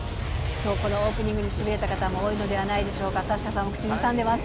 そう、このオープニングにしびれた方も多いのではないでしょうか、サッシャさんも口ずさんでます。